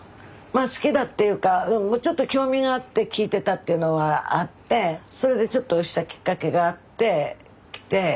まあ好きだっていうかちょっと興味があって聴いてたっていうのはあってそれでちょっとしたきっかけがあって来て。